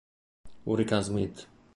Hurricane Smith